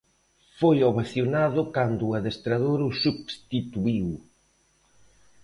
Foi ovacionado cando o adestrador o substituíu.